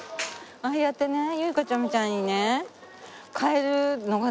ああやってねウイカちゃんみたいにね買えるのがね